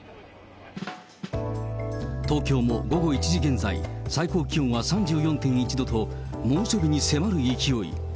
東京も午後１時現在、最高気温は３４．１度と、猛暑日に迫る勢い。